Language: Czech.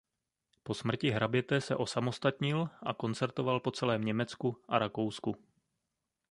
Po smrti hraběte se osamostatnil a koncertoval po celém Německu a Rakousku.